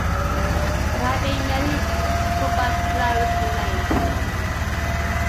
There have been many Crobots clones made.